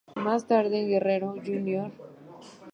Más tarde en Guerrero, Jr.